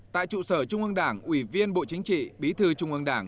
tại trụ sở trung ương đảng ủy viên bộ chính trị bí thư trung ương đảng